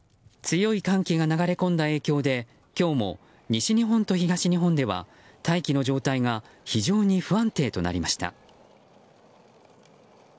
強い寒気が流れ込んだ影響で今日も西日本と東日本では大気の状態が非常に不安定となりました。